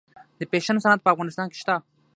د فیشن صنعت په افغانستان کې شته؟